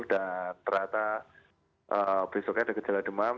dan ternyata besoknya ada gejala demam